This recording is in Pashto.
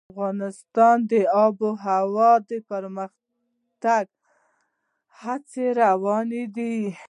افغانستان کې د آب وهوا د پرمختګ هڅې روانې دي.